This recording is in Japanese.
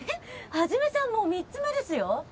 一さんもう３つ目ですよ。